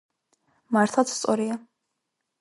მართლაც სწორია.